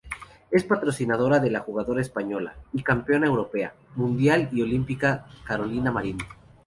Es patrocinadora de la jugadora española, y campeona europea, mundial y olímpica Carolina Marín.